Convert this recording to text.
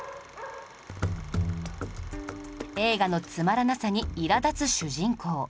映画のつまらなさにいら立つ主人公